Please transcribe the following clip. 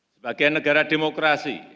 sebagai negara demokrasi